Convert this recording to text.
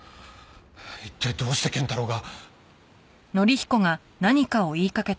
一体どうして賢太郎が。